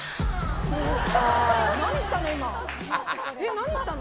何したの？